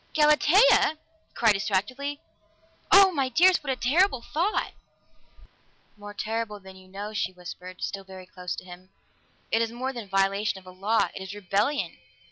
"Galatea!" he cried distractedly. "Oh, my dearest what a terrible thought!" "More terrible than you know," she whispered, still very close to him. "It is more than violation of a law; it is rebellion!